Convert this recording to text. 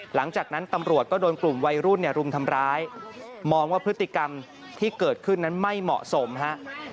หลังจากนั้นตำรวจก็โดนกลุ่มวัยรุ่นเนี่ยรุมทำร้ายมองว่าพฤติกรรมที่เกิดขึ้นนั้นไม่เหมาะสมฮะ